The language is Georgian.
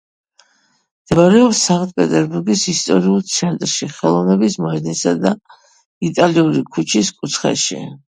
მდებარეობს სანქტ-პეტერბურგის ისტორიულ ცენტრში ხელოვნების მოედნისა და იტალიური ქუჩის კუთხეში.